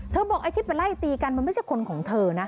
บอกไอ้ที่ไปไล่ตีกันมันไม่ใช่คนของเธอนะ